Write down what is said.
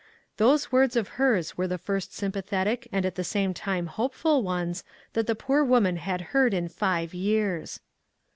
Those words of hers were the first sympathetic and at the same time hopeful ones that the poor woman had heard in five years.